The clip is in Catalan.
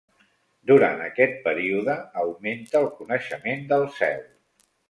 Durant aquest període augmenta el coneixement del cel.